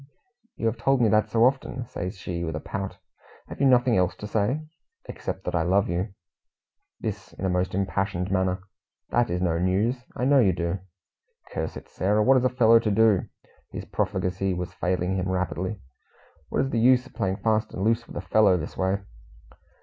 "You have told me that so often," says she, with a pout. "Have you nothing else to say?" "Except that I love you." This in a most impassioned manner. "That is no news. I know you do." "Curse it, Sarah, what is a fellow to do?" His profligacy was failing him rapidly. "What is the use of playing fast and loose with a fellow this way?"